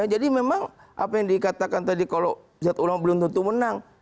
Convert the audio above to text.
jadi memang apa yang dikatakan tadi kalau zat ulama belum tentu menang